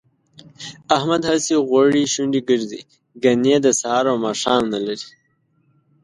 احمد هسې غوړې شونډې ګرځي، ګني د سهار او ماښام نه لري